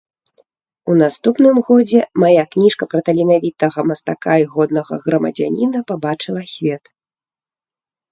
У наступным годзе мая кніжка пра таленавітага мастака і годнага грамадзяніна пабачыла свет.